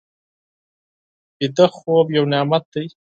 ویده خوب یو نعمت دی